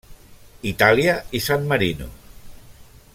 Itàlia i San Marino.